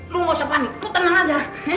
lo ga usah panik lo tenang aja ya